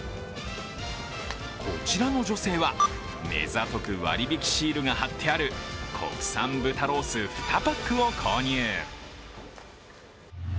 こちらの女性は、めざとく割引シールが貼ってある国産豚ロース２パックを購入。